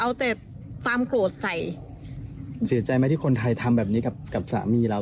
เอาแต่ความโกรธใส่เสียใจไหมที่คนไทยทำแบบนี้กับกับสามีเรา